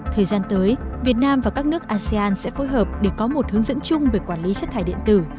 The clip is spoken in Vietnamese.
thời gian tới việt nam và các nước asean sẽ phối hợp để có một hướng dẫn chung về quản lý chất thải điện tử